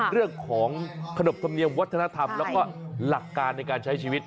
เรื่องของขนบธรรมเนียมวัฒนธรรมแล้วก็หลักการในการใช้ชีวิต